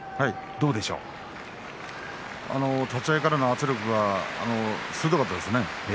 立ち合いからの圧力が鋭かったですね。